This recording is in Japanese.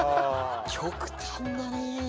極端だねえ。